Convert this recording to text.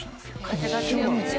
風が強くて。